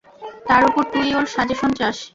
তার ওপর, তুই ওর সাজেশন চাস।